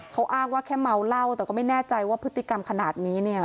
เขาอ้างว่าแค่เมาเหล้าแต่ก็ไม่แน่ใจว่าพฤติกรรมขนาดนี้เนี่ย